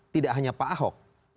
tidak hanya pak ahok